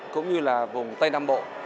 cũng như là vùng tây nam bộ